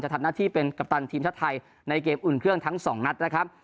ทำหน้าที่เป็นกัปตันทีมชาติไทยในเกมอุ่นเครื่องทั้งสองนัดนะครับ